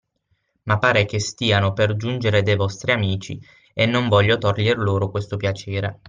Ma pare che stiano per giungere de’ vostri amici e non voglio toglier loro questo piacere.